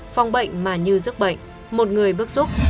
phòng bệnh mà như giấc bệnh một người bức xúc